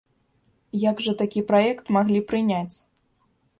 Як жа такі праект маглі прыняць?